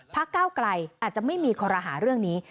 ก้าวไกลอาจจะไม่มีคอรหาเรื่องนี้